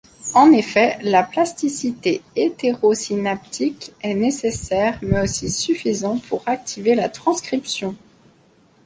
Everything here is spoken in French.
En effet la plasticité hétérosynaptique est nécessaire mais aussi suffisante pour activer la transcription.